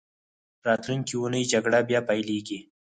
راتلونکې اونۍ جګړه بیا پیلېږي.